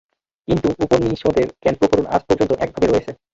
কিন্তু উপনিষদের জ্ঞানপ্রকরণ আজ পর্যন্ত একভাবে রয়েছে।